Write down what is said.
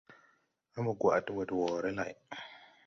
A mo gwaʼ de ɓɔ woore lay.